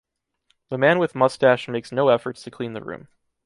The man with mustache makes no efforts to clean the room.